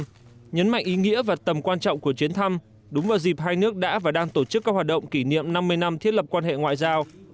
tổng bí thư nguyễn phú trọng nhấn mạnh ý nghĩa và tầm quan trọng của chiến thăm đúng vào dịp hai nước đã và đang tổ chức các hoạt động kỷ niệm năm mươi năm thiết lập quan hệ ngoại giao